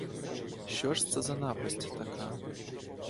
Що ж це за напасть така?